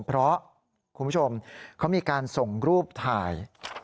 เพราะคุณผู้ชมเขามีการส่งรูปถ่าย